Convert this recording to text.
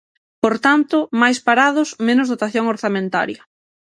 Por tanto, máis parados, menos dotación orzamentaria.